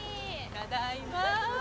ただいま。